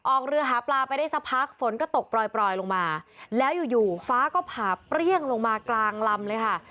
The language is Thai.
ออกเรือหาปลาไปได้สักพักฝนก็ตกปล่อยลงมาแล้วอยู่อยู่ฟ้าก็ผ่าเปรี้ยงลงมากลางลำเลยค่ะ